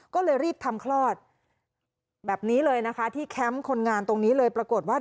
ก็เลยรีบทำคลอดแบบนี้เลยนะคะที่แคมป์คนงานตรงนี้เลยปรากฏว่า